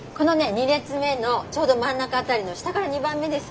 ２列目のちょうど真ん中辺りの下から２番目です。